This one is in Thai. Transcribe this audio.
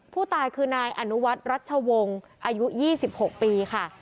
ผู้ตายคือนายอนุวัฒน์รัชวงศ์อายุ๒๖ปีค่ะ